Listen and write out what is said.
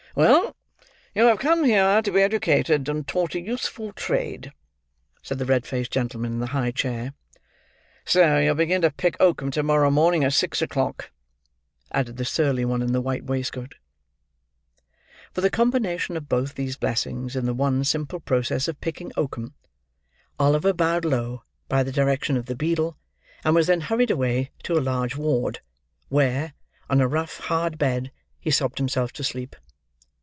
"Well! You have come here to be educated, and taught a useful trade," said the red faced gentleman in the high chair. "So you'll begin to pick oakum to morrow morning at six o'clock," added the surly one in the white waistcoat. For the combination of both these blessings in the one simple process of picking oakum, Oliver bowed low by the direction of the beadle, and was then hurried away to a large ward; where, on a rough, hard bed, he sobbed himself to sleep.